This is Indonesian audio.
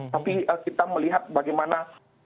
tapi kita melihat bagaimana